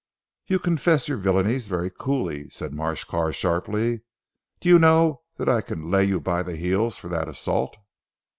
"You confess your villainies very coolly," said Marsh Carr sharply, "do you know that I can lay you by the heels for that assault."